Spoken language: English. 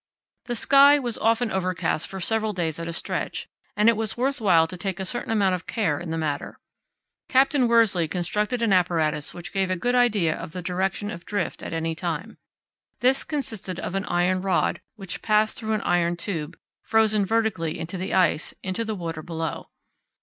The sky was often overcast for several days at a stretch, and it was worth while to take a certain amount of care in the matter. Captain Worsley constructed an apparatus which gave a good idea of the direction of drift at any time. This consisted of an iron rod, which passed through an iron tube, frozen vertically into the ice, into the water below.